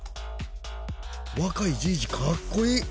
若いじいじかっこいい！